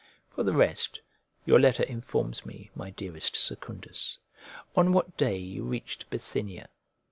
For the rest, your letter informs me, my dearest Secundus, on what day you reached Bithynia.